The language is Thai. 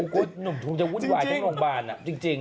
คุณคุณจะวุ่นวายทั้งโรงพยาบาล